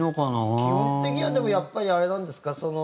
基本的にはやっぱり、あれなんですか